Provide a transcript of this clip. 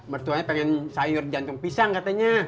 mertuanya pengen sayur jantung pisang katanya